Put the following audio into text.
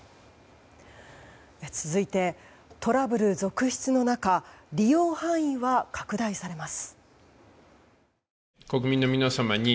続いて、トラブル続出の中利用範囲は拡大されます。